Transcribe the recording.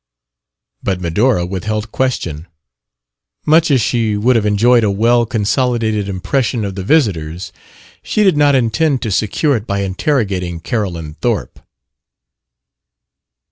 But Medora withheld question. Much as she would have enjoyed a well consolidated impression of the visitors, she did not intend to secure it by interrogating Carolyn Thorpe.